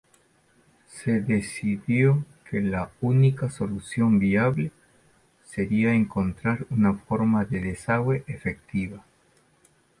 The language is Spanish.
Se decidió que la única solución viable sería encontrar una forma de desagüe efectiva.